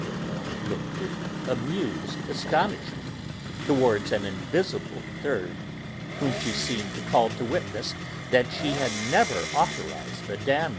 des Laumes looked with amused astonishment towards an invisible third, whom she seemed to call to witness that she had never authorised Mme.